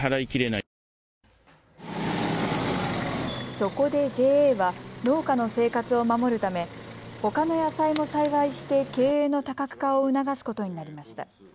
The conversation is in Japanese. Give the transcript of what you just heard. そこでＪＡは農家の生活を守るためほかの野菜も栽培して経営の多角化を促すことになりました。